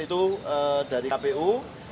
itu tidak bisa dikawal oleh kpu